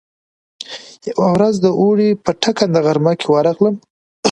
يوه ورځ د اوړي په ټکنده غرمه کې ورغلم.